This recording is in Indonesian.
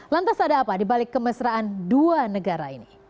lantas ada apa dibalik kemesraan dua negara ini